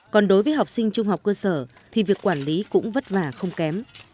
còn đối với học sinh trung học cơ sở thì việc quản lý cũng vất vả không kém